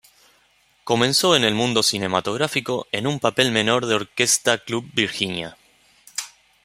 Comenzó en el mundo cinematográfico en un papel menor de "Orquesta Club Virginia".